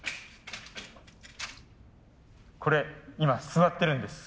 これ今座ってるんです。